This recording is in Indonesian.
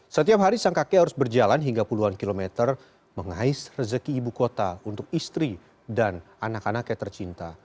setiap hari sang kakek harus berjalan hingga puluhan kilometer mengais rezeki ibu kota untuk istri dan anak anaknya tercinta